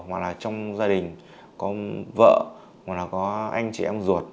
hoặc là trong gia đình có vợ hoặc là có anh chị em ruột